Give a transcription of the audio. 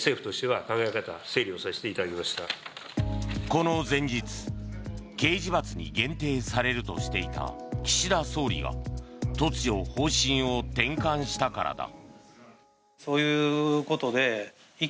この前日、刑事罰に限定されるとしていた岸田総理が突如、方針を転換したからだ。